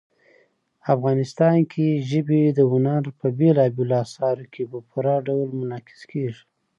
افغانستان کې ژبې د هنر په بېلابېلو اثارو کې په پوره ډول منعکس کېږي.